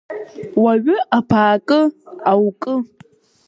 Уаҩы абаакы, аукы.